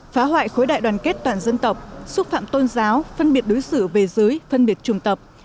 phá hoại khối đại đoàn kết toàn dân tộc xúc phạm tôn giáo phân biệt đối xử về giới phân biệt trùng tập